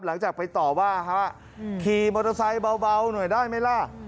หลังจากไปต่อว่าฮะขี่มอเตอร์ไซค์เบาหน่อยได้ไหมล่ะ